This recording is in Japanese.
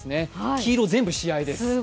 黄色全部試合です。